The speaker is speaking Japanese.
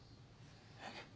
えっ？